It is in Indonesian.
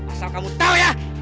asal kamu tahu ya